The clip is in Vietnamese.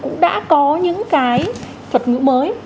cũng đã có những cái thuật ngữ mới